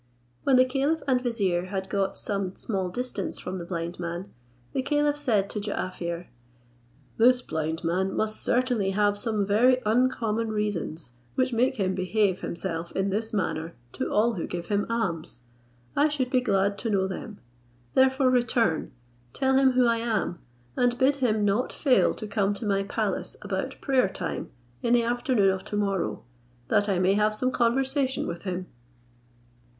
When the caliph and vizier had got so me small distance from the blind man, the caliph said to Jaaffier, "This blind man must certainly have some very uncommon reasons, which make him behave himself in this manner to all who give him alms. I should be glad to know them; therefore return, tell him who I am, and bid him not fail to come to my palace about prayer time in the afternoon of to morrow, that I may have some conversation with him."